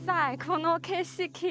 この景色。